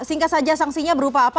singkat saja sanksinya berupa apa